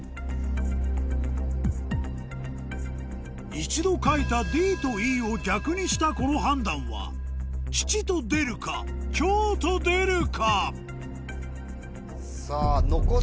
一度書いたＤとＥを逆にしたこの判断は吉と出るか凶と出るかえ？